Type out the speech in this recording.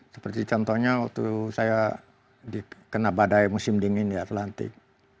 seperti contohnya waktu saya dikena badai musim dingin di atlantik